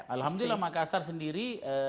alhamdulillah makassar sendiri